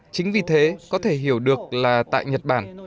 chính vì thế có thể hiểu được là tại nhật bản